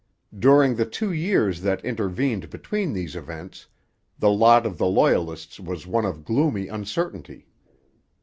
During the two years that intervened between these events, the lot of the Loyalists was one of gloomy uncertainty.